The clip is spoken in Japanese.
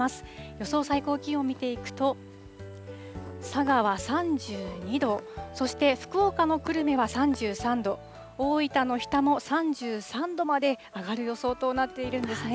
予想最高気温見ていくと、佐賀は３２度、そして福岡の久留米は３３度、大分の日田も３３度まで上がる予想となっているんですね。